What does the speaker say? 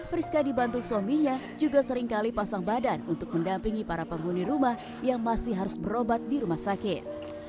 friska dibantu suaminya juga seringkali pasang badan untuk mendampingi para penghuni rumah yang masih harus berobat di rumah sakit